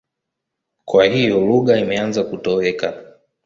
Kwa hiyo lugha imeanza kutoweka.